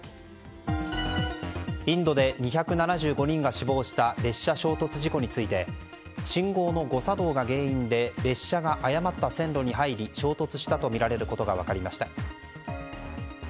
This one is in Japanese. インドで２７５人が死亡した列車衝突事故について信号の誤作動が原因で列車が誤った線路に入り衝突したとみられることが分かりました。